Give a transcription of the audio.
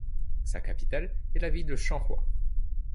Sa capitale est la ville de Changhua.